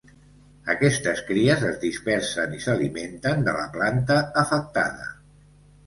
Aquestes cries es dispersen i s'alimenten de la planta afectada.